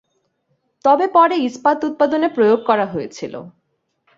তবে পরে ইস্পাত উৎপাদনে প্রয়োগ করা হয়েছিল।